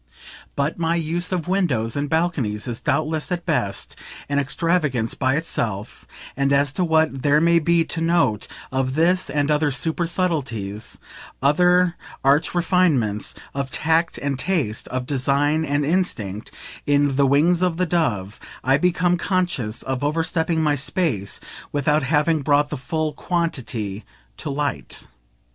But my use of windows and balconies is doubtless at best an extravagance by itself, and as to what there may be to note, of this and other supersubtleties, other arch refinements, of tact and taste, of design and instinct, in "The Wings of the Dove," I become conscious of overstepping my space without having brought the full quantity to light.